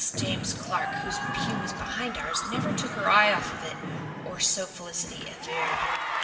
James Clark, whose pew was behind ours, never took her eye off it or so Felicity averred.